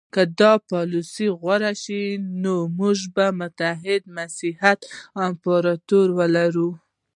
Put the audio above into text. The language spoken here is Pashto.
که دا پالیسي غوره شي نو موږ به متحده مسیحي امپراطوري لرو.